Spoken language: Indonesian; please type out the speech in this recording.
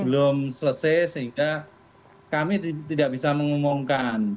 belum selesai sehingga kami tidak bisa mengumumkan